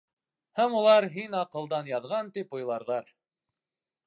Һәм улар һин аҡылдан яҙған тип уйларҙар.